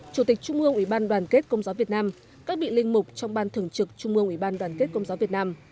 chủ tịch trung ương ủy ban đoàn kết công giáo việt nam các vị linh mục trong ban thường trực trung ương ủy ban đoàn kết công giáo việt nam